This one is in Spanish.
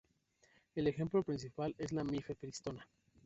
El ejemplo principal es la mifepristona.